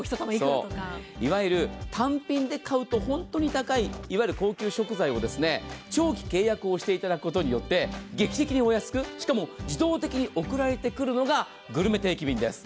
いわゆる単品で買うと本当に高い高級食材を長期契約をしていただくことによって、劇的にお安く、しかも自動的に送られてくるのがグルメ定期便です。